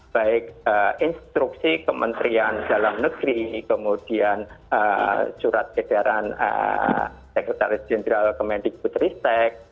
baik instruksi kementerian dalam negeri kemudian surat edaran sekretaris jenderal kementerian kementerian kementerian kementerian